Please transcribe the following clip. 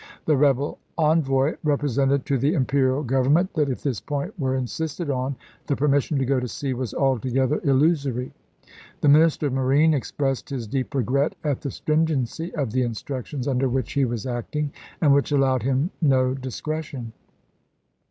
The rebel envoy represented to the Imperial Gov ernment that if this point were insisted on the per mission to go to sea was altogether illusory. The Minister of Marine expressed his deep regret at the stringency of the instructions under which he was acting, and which allowed him no discretion.